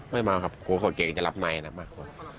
ไม่เมาครับเดี๋ยวเขาก็เกลียดจะรับในนะมากกว่า